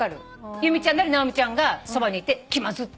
由美ちゃんなり直美ちゃんがそばにいて「きまず」って。